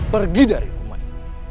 pergi dari rumah ini